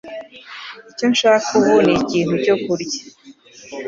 Icyo nshaka ubu ni ikintu cyo kurya.